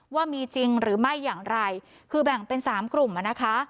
ว่ามีจริงหรือไม่อย่างไรคือแบ่งเป็นสามกลุ่มอ่ะนะคะ